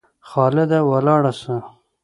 خالده ولاړ سه!